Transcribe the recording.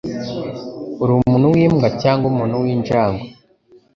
Urumuntu wimbwa cyangwa umuntu winjangwe?